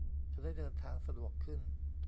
จะได้เดินทางสะดวกขึ้น